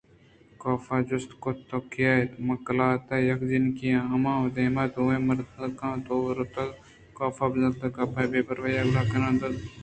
کاف ءَ جست کُت تو کئے اِت؟ من قلات ءِ یک جنکے آں ہمے دمان ءَ دوئیں مردکاں دو رکُت ءُکاف ءِ بانزلاں گپت ءُبے پرواہی ءَ گِرّ کنانءَدروازگءِدپءَتیلانک دیاں کُتءُڈن ّءَ چگل دات